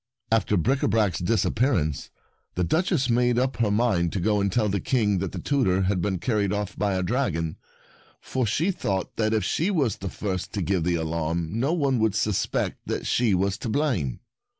After Bricabrac's disappear ance, the Duchess made up her mind to go and tell the King that the tutor had been carried off by a dragon, for she thought that if she was the first to give the alarm no one would suspect that she was to blame.